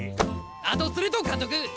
あとそれと監督。